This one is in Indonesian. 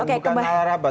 bukan ala apa